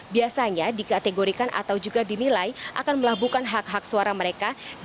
biasanya dikategorikan atau juga dinilai akan melabuhkan hak hak suara mereka